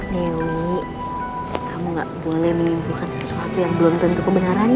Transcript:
dewi kamu gak boleh menimbulkan sesuatu yang belum tentu kebenaran ya